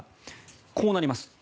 こうなります。